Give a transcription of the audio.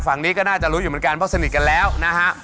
ฝั่งนี้ก็น่าจะรู้อยู่เหมือนกันเพราะสนิทกันแล้วนะฮะ